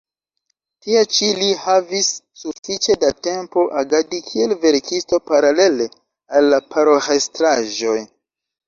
Tie ĉi li havis sufiĉe da tempo agadi kiel verkisto paralele al la paroĥestraĵoj.